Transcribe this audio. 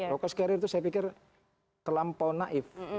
locust carrier itu saya pikir terlampau naif